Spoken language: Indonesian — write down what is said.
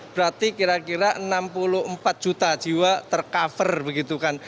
berarti kira kira enam puluh empat juta jiwa tercover begitu kan